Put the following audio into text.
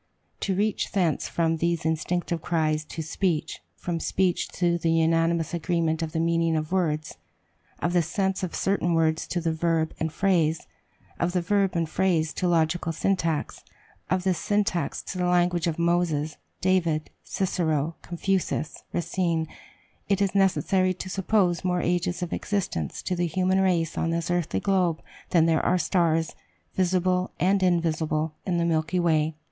To reach thence from these instinctive cries to speech; from speech to the unanimous agreement of the meaning of words of the sense of certain words to the verb and phrase of the verb and phrase to logical syntax of this syntax to the language of Moses, David, Cicero, Confucius, Racine, it is necessary to suppose more ages of existence to the human race on this earthly globe than there are stars, visible and invisible, in the Milky Way.